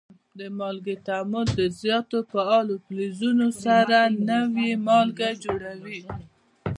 د مالګو تعامل د زیاتو فعالو فلزونو سره نوي مالګې جوړوي.